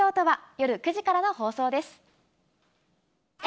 夜９時からの放送です。